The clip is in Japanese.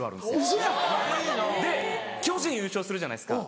ウソやん！で巨人優勝するじゃないですか。